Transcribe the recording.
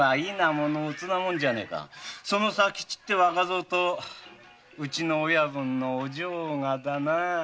その佐吉って若僧とうちの親分のお嬢がだな。